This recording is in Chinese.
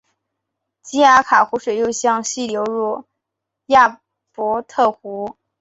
基阿卡湖水又向西流入亚伯特湖。